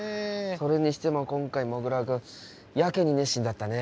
それにしても今回もぐら君やけに熱心だったね。